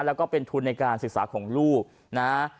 แล้วก็เป็นทุนในการศึกษาของลูกนะ